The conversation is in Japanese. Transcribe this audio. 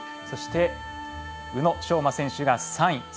そして宇野昌磨選手が３位。